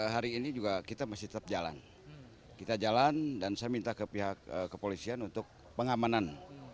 hari ini juga kita masih tetap jalan kita jalan dan saya minta ke pihak kepolisian untuk pengamanan